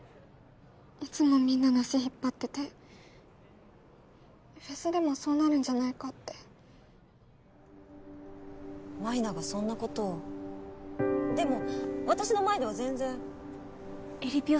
いつもみんなの足引っ張っててフェスでもそうなるんじゃないかって舞菜がそんなことをでも私の前では全然えりぴよ